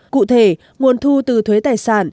cụ thể nguồn thu từ thuế tài sản